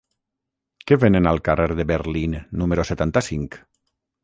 Què venen al carrer de Berlín número setanta-cinc?